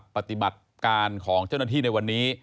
ปฏิบัติการของเจ้าหน้าที่ในวันนี้